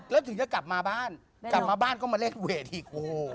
แล้วถึงจะกลับมาบ้านกลับมาบ้านก็มาเล่นเวทอีกโอ้โห